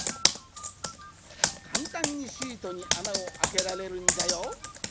かんたんにシートにあなをあけられるんじゃよ。